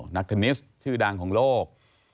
เทนนิสชื่อดังของโลก